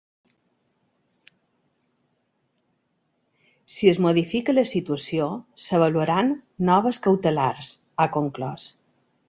“Si es modifica la situació, s’avaluaran noves cautelars”, ha conclòs.